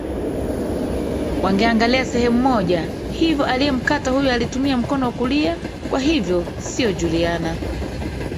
Wangeangalia sehemu moja hivyo aliyemkata huyu alitumia mkono wa kulia kwa hivyo sio Juliana